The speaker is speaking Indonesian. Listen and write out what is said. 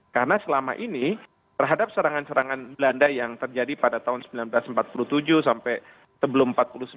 karena selama ini terhadap serangan serangan belanda yang terjadi pada tahun seribu sembilan ratus empat puluh tujuh sampai sebelum seribu sembilan ratus empat puluh sembilan